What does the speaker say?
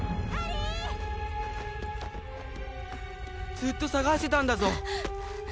ずっと捜してたんだぞ！